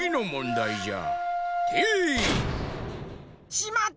しまった！